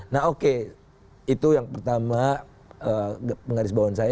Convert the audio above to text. nah oke itu yang pertama penggaris bawaan saya